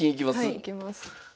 はいいきます。